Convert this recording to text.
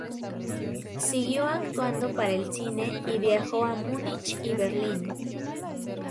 Siguió actuando para el cine, y viajó a Múnich y Berlín.